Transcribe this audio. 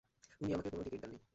উনি আমাকে কোন টিকিট দেননি।